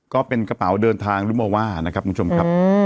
ก็เป็นกระเป๋าเดินทางหรือมาว่านะครับคุณผู้ชมครับ